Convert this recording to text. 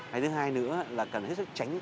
hay thứ hai nữa là cần hết sức tránh